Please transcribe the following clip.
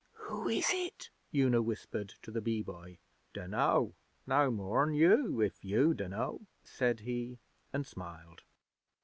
'Who is it?' Una whispered to the Bee Boy. 'Dunno, no more'n you if you dunno,' said he, and smiled.